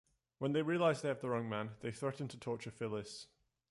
When they realise they have the wrong man, they threaten to torture Phyllis.